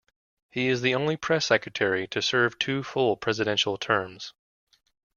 He is the only press secretary to serve two full presidential terms.